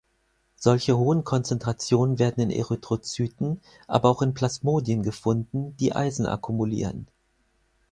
Solche hohen Konzentrationen werden in Erythrozyten, aber auch in Plasmodien gefunden, die Eisen akkumulieren.